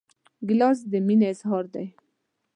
ګیلاس د مینې اظهار دی.